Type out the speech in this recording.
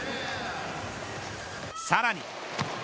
さらに。